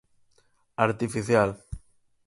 Artificial.